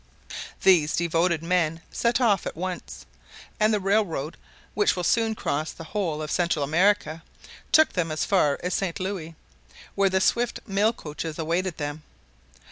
These devoted men set off at once; and the railroad, which will soon cross the whole of Central America, took them as far as St. Louis, where the swift mail coaches awaited them.